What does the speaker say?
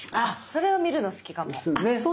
それを見るの好きかも。ね。